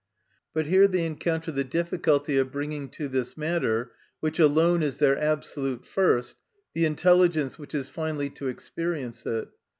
But here they encounter the difficulty of bringing to this matter, which alone is their absolute First, the intelligence which is finally to experience it.